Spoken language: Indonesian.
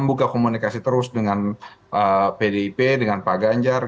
pak wacapres itu hanya pak erlangga hartarto